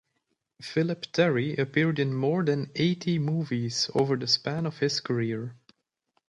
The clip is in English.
Phillip Terry appeared in more than eighty movies over the span of his career.